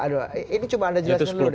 aduh ini coba anda jelaskan dulu